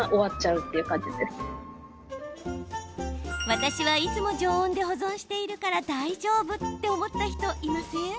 私は、いつも常温で保存しているから大丈夫って思った人いません？